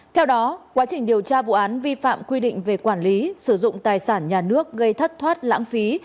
theo đó quá trình điều tra vụ án vi phạm quy định về quản lý sử dụng tài sản nhà nước gây thất thoát lãng phí